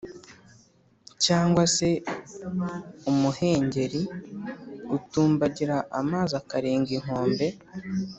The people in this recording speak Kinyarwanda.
cyangwa se umuhengeri utumbagira amazi akarenga inkombe,